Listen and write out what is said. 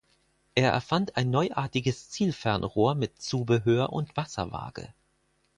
Er erfand ein neuartiges Zielfernrohr mit Zubehör und Wasserwaage.